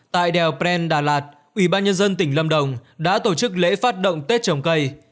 tại đèo pren đà lạt ủy ban nhân dân tỉnh lâm đồng đã tổ chức lễ phát động tết trồng cây